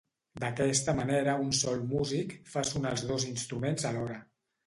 D'aquesta manera un sol músic fa sonar els dos instruments alhora.